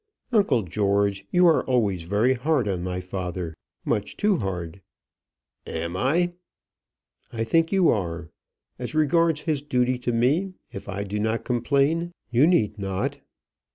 "Uncle George, you are always very hard on my father; much too hard." "Am I?" "I think you are. As regards his duty to me, if I do not complain, you need not."